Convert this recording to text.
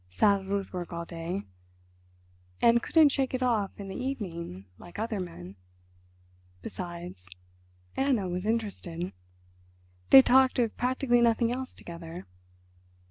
Saddled with work all day, and couldn't shake it off in the evening like other men. Besides, Anna was interested—they talked of practically nothing else together.